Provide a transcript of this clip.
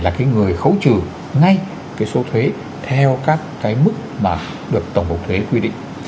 thì họ có thể là cái người khấu trừ ngay cái số thuế theo các cái mức mà được tổng bộ thuế quy định